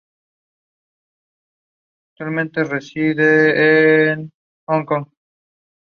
The film also blurred the distinction between what is communism and atheism.